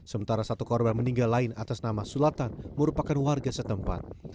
sementara satu korban meninggal lain atas nama sulatan merupakan warga setempat